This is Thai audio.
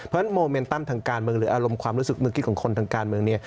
เพราะฉะนั้นโมเมนตัมป์ทางการเมืองหรืออารมณ์ความรู้สึกนึกคิดของคนทางการเมือง